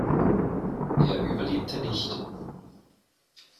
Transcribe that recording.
Er überlebte nicht.